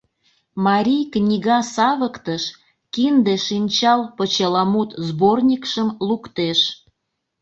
Марий книга савыктыш «Кинде-шинчал» почеламут сборникшым луктеш.